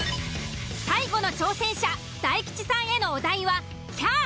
最後の挑戦者大吉さんへのお題は「きゃー」。